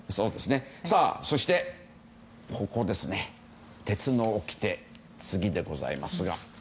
そして鉄のおきての次でございます。